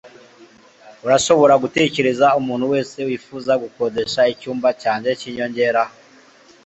Urashobora gutekereza umuntu wese wifuza gukodesha icyumba cyanjye cyinyongera?